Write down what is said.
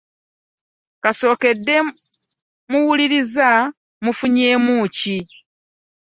Kasookedde muwuliriza mufunyemu ki?